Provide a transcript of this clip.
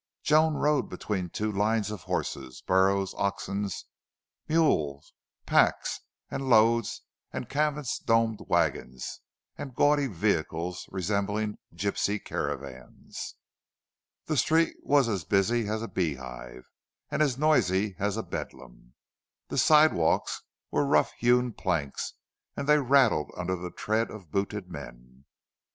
Joan rode between two lines of horses, burros, oxen, mules, packs and loads and canvas domed wagons and gaudy vehicles resembling gipsy caravans. The street was as busy as a beehive and as noisy as a bedlam. The sidewalks were rough hewn planks and they rattled under the tread of booted men.